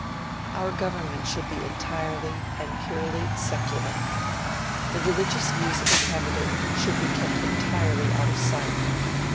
Our government should be entirely and purely secular. The religious views of a candidate should be kept entirely out of sight.